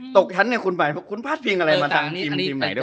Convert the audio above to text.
ตกชั้นคุณผาดเพียงอะไรมาทางทีม